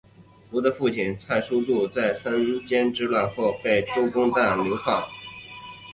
胡的父亲蔡叔度在三监之乱后被周公旦流放。